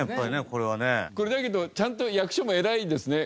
これだけどちゃんと役所も偉いですね。